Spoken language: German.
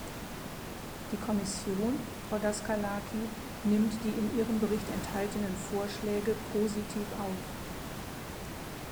Die Kommission, Frau Daskalaki, nimmt die in Ihrem Bericht enthaltenen Vorschläge positiv auf.